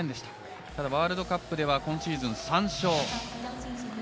ただ、ワールドカップでは今シーズン３勝。